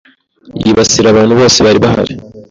yibasira abantu bose bari bahari